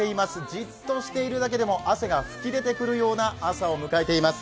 じっとしているだけでも汗が噴き出てくるような朝を迎えています。